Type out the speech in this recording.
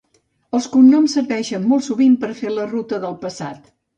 Els cognoms serveixen molt sovint per a fer la ruta del passat.